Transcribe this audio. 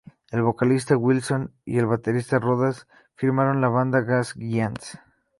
El vocalista Wilson y el baterista Rodas formaron la banda Gas Giants.